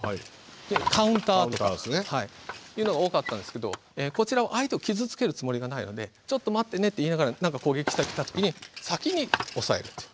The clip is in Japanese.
カウンターとかいうのが多かったんですけどこちらは相手を傷つけるつもりがないので「ちょっと待ってね」って言いながら何か攻撃してきた時に先に抑えるっていう。